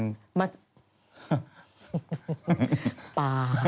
ปลา